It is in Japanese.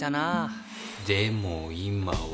でも今は。